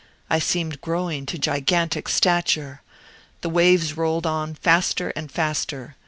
I seemed growing to gigantic stature. The waves rolled on faster and faster.